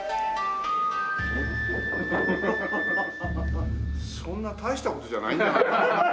そんな大した事じゃないんじゃないかな。